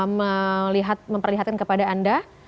memperlihatkan kepada anda